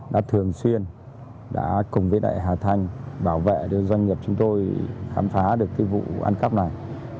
đã thường xuyên cùng với hà thanh bảo vệ doanh nghiệp chúng tôi khám phá vụ ăn cắp này